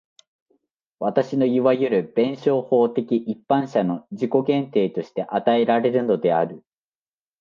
私のいわゆる弁証法的一般者の自己限定として与えられるのである。